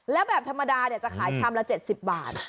แล้วแบบธรรมดาจะขายชามละ๗๐บาท